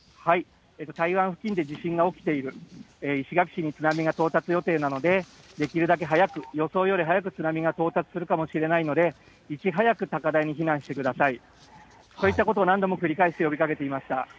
台湾付近で地震が起きている、津波が到達予定なのでできるだけ早く、予想より早く到達する可能性があるのでいち早く高台に避難してください。といったことを何度も繰り返し呼びかけていました。